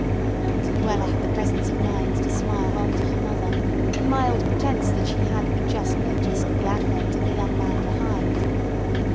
But Luella had the presence of mind to smile on to her mother in mild pretence that she had but just noticed the advent of the young man behind.